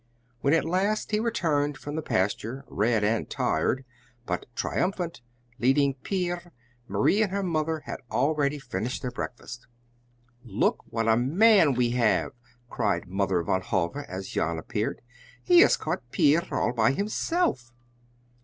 When at last he returned from the pasture, red and tired, but triumphant, leading Pier, Marie and her mother had already finished their breakfast. "Look what a man we have!" cried Mother Van Hove as Jan appeared. "He has caught Pier all by himself."